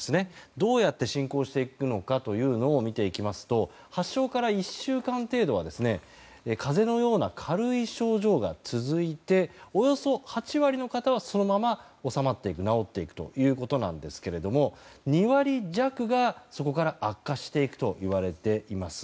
どうやって進行していくのか見ていきますと発症から１週間程度は風邪のような軽い症状が続いておよそ８割の方は、そのままおさまっていく治っていくということなんですが２割弱が、そこから悪化していくといわれています。